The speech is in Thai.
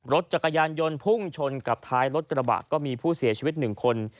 รถจักรยานยนต์พุ่งชนกับท้ายรถกระบะก็มีผู้เสียชีวิตหนึ่งคน